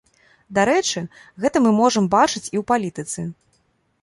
Дарэчы, гэта мы можам бачыць і ў палітыцы.